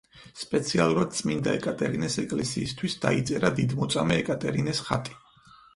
სპეციალურად წმინდა ეკატერინეს ეკლესიისთვის დაიწერა დიდმოწამე ეკატერინეს ხატი.